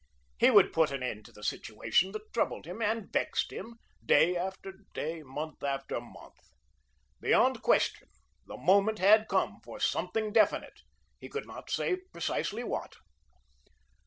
He would put an end to the situation that troubled him, and vexed him, day after day, month after month. Beyond question, the moment had come for something definite, he could not say precisely what.